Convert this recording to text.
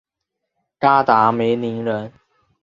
嘎达梅林人。